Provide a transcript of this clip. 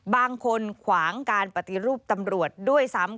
ขวางการปฏิรูปตำรวจด้วยซ้ำ